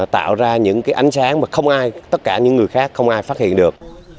tạo ra những cái ánh sáng mà không ai tất cả những người khác không ai phát hiện được